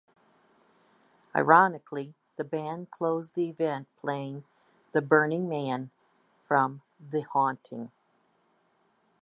Ironically the band closed the event playing "The Burning Man" from "The Haunting".